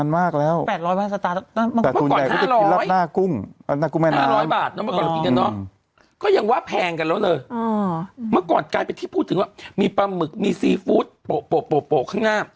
เมื่อก่อนไปพูดถึงว่ามีปลาหมึกมีซีฟุตผักข้างหน้า